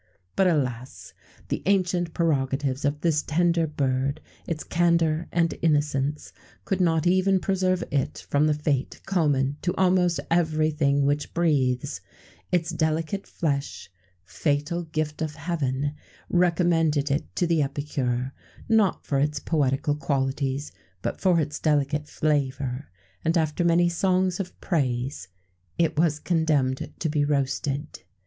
But, alas! the ancient prerogatives of this tender bird, its candour and innocence, could not even preserve it from the fate common to almost everything which breathes. Its delicate flesh fatal gift of Heaven! recommended it to the epicure; not for its poetical qualities, but for its delicate flavour; and, after many songs of praise, it was condemned to be roasted.